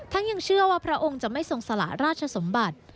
ยังเชื่อว่าพระองค์จะไม่ทรงสละราชสมบัติ